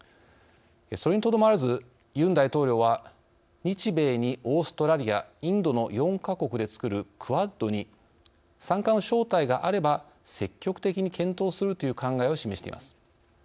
それにとどまらず、ユン大統領は日米にオーストラリア、インドの４か国でつくるクアッドに参加の招待があれば積極的に検討するという考えを示しています。